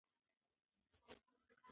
د روغتیا ساتنه د هر انسان مسؤلیت دی.